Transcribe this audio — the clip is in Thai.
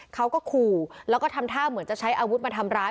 เขาก็ขู่แล้วก็ทำท่าเหมือนจะใช้อาวุธมาทำร้าย